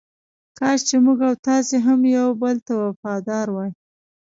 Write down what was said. کاش چې موږ او تاسې هم یو بل ته وفاداره وای.